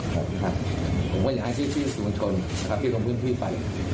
ผมก็อยากให้พี่สูญชนพี่คุณพี่ไป